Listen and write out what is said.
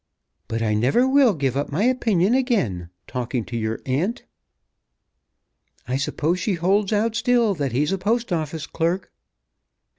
But I never will give up my opinion again, talking to your aunt. I suppose she holds out still that he's a Post Office clerk."